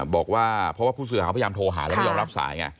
เพราะว่าผู้สื่อข่าวพยายามโทรหาแล้วไม่ยอมรับสาย